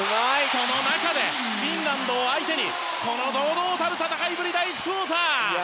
その中でフィンランドを相手にこの堂々たる戦いぶりの第１クオーター！